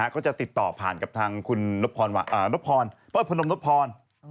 ก็จะติดต่อผ่านกับทางคุณนพรพนมนพพร